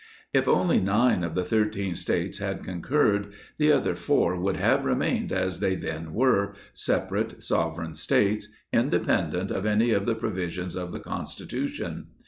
If only nine of the thirteen States had concurred, the other four would have remained as they then were — separ ate, sovereign States, independent of any of the provi 6 sions of the Constitution.